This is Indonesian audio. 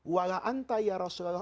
walaantai ya rasulullah